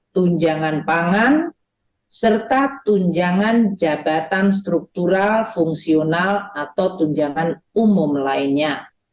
tunjangan pangan serta tunjangan jabatan struktural fungsional atau tunjangan umum lainnya